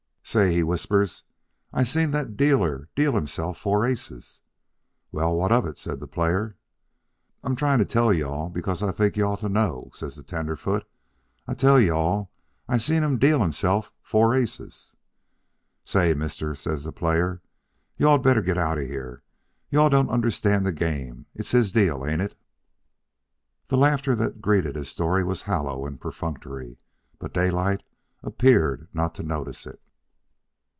"'Say,' he whispers, 'I seen the dealer deal hisself four aces.' "'Well, an' what of it?" says the player. "'I'm tryin' to tell you all because I thought you all ought to know,' says the tenderfoot. 'I tell you all I seen him deal hisself four aces.' "'Say, mister,' says the player, 'you all'd better get outa here. You all don't understand the game. It's his deal, ain't it?'" The laughter that greeted his story was hollow and perfunctory, but Daylight appeared not to notice it.